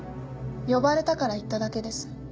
呼ばれたから行っただけです。